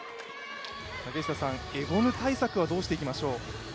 エゴヌ対策はどうしていきましょう？